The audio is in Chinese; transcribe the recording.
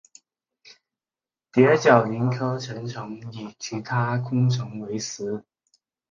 蝶角蛉科成虫以其他昆虫为食。